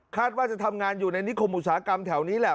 ว่าจะทำงานอยู่ในนิคมอุตสาหกรรมแถวนี้แหละ